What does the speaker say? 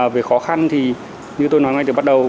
về khó khăn thì như tôi nói ngay từ bắt đầu